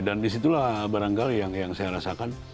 dan disitulah barangkali yang saya rasakan